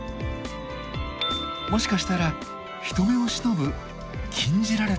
もしかしたら人目を忍ぶ「禁じられた恋」。